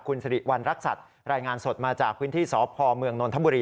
คุณสิริวัณรักษัตริย์รายงานสดมาจากพื้นที่สพเมืองนนทบุรี